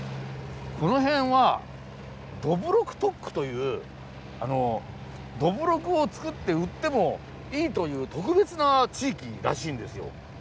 この辺はどぶろく特区というどぶろくを造って売ってもいいという特別な地域らしいんですよ。